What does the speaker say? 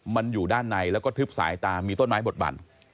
มันอยู่ด้านในแล้วก็ทึบสายตามีต้นไม้บดบั่น